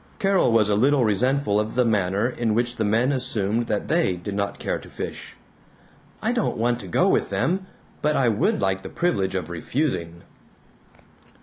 Carol was a little resentful of the manner in which the men assumed that they did not care to fish. "I don't want to go with them, but I would like the privilege of refusing."